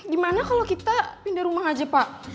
gimana kalau kita pindah rumah aja pak